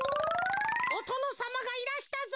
「おとのさまがいらしたぞ」。